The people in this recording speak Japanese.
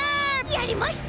やりました。